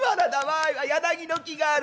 あっ柳の木がある。